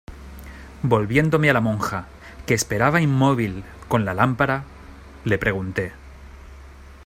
volviéndome a la monja, que esperaba inmóvil con la lámpara , le pregunté: